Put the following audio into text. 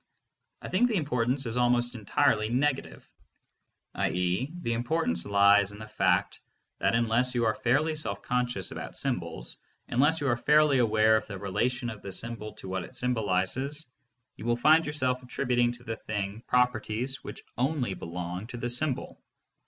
I think the importance is almost entirely nega tive, i. e., the importance lies in the fact that unless you are fairly self conscious about symbols, unless you are fairly aware of the relation of the symbol to what it symbolizes, you will find yourself attributing to the thing properties which only belong to the symbol.